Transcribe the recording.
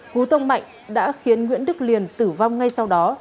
hú tông mạnh đã khiến nguyễn đức liền tử vong ngay sau đó